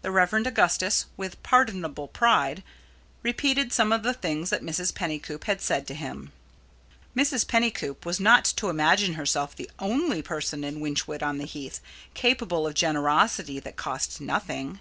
The Rev. Augustus, with pardonable pride, repeated some of the things that Mrs. Pennycoop had said to him. Mrs. Pennycoop was not to imagine herself the only person in Wychwood on the Heath capable of generosity that cost nothing.